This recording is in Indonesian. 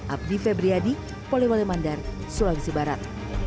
abdi febriyadi polewale mandar sulawesi barat